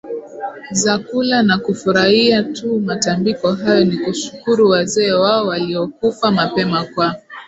za kula na kufurahia tu Matambiko hayo ni kushukuru wazee wao waliokufa mapema kwa